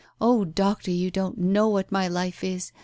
Oh, Doctor, you don't know what my life is!